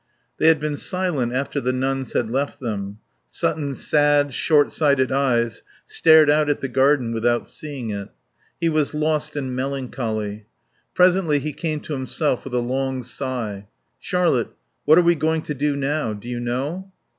They had been silent after the nuns had left them. Sutton's sad, short sighted eyes stared out at the garden without seeing it. He was lost in melancholy. Presently he came to himself with a long sigh "Charlotte, what are we going to do now? Do you know?"